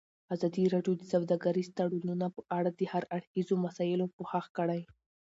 ازادي راډیو د سوداګریز تړونونه په اړه د هر اړخیزو مسایلو پوښښ کړی.